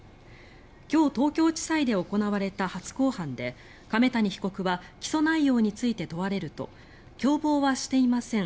今日、東京地裁で行われた初公判で亀谷被告は起訴内容について問われると共謀はしていません